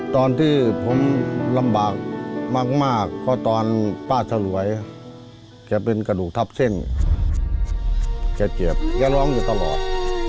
ตอนที่ผมลำบากมากเพราะตอนป้าสลวยแกเป็นกระดูกทับเส้นแกเจ็บแกร้องอยู่ตลอด